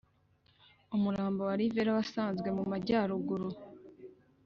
Umurambo wa Rivera wasanzwe mu Majyaruguru